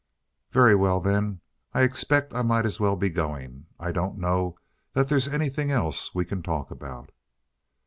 "Very well, then, I expect I might as well be going. I don't know that there's anything else we can talk about."